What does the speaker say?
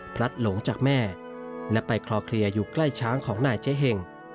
พลัดหลงจากแม่และไปคลอเคลียร์อยู่ใกล้ช้างของนายเจ๊เห็ง